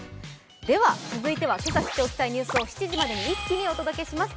続いてはけさ知っておきたいニュースを７時までに一気にお届けします。